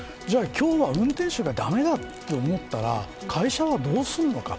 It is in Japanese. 今日は運転手が駄目だと思ったら会社はどうするのか。